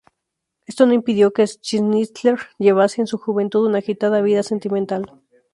Esto no impidió que Schnitzler llevase en su juventud una agitada vida sentimental.